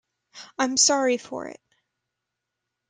I’m sorry for it.